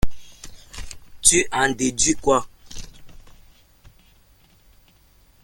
Tu en déduis quoi?